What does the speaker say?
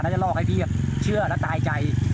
จะหลอกให้พี่เชื่อแล้วตายใจ